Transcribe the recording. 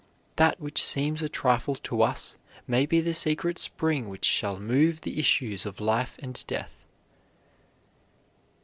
That which seems a trifle to us may be the secret spring which shall move the issues of life and death."